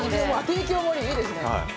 帝京盛りいいですね。